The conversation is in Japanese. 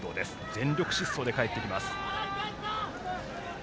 全力疾走で帰ってきます。